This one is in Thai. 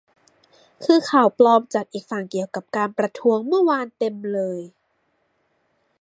คือข่าวปลอมจากอีกฝั่งเกี่ยวกับการประท้วงเมื่อวานเต็มเลย